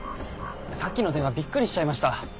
さっきの電話びっくりしちゃいました。